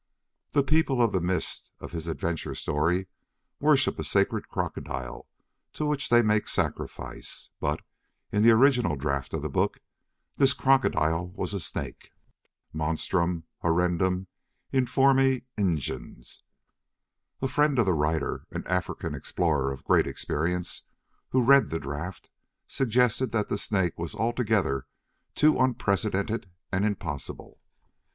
The People of the Mist of his adventure story worship a sacred crocodile to which they make sacrifice, but in the original draft of the book this crocodile was a snake—monstrum horrendum, informe, ingens. A friend of the writer, an African explorer of great experience who read that draft, suggested that the snake was altogether too unprecedented and impossible.